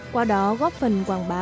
qua đó góp phần quảng bá